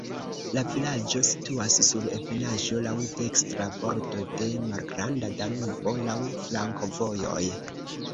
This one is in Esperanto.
La vilaĝo situas sur ebenaĵo, laŭ dekstra bordo de Malgranda Danubo, laŭ flankovojoj.